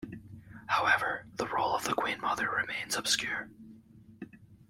However, the role of the Queen Mother remains obscure.